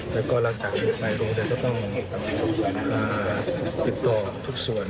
แล้วก็หลังจากปิดไปโรงเรียนก็ต้องติดต่อทุกส่วน